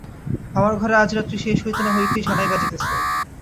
আমার ঘরে আজ রাত্রি শেষ হইতে না হইতে সানাই বাজিতেছে।